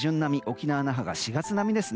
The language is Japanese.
沖縄・那覇が４月並みですね。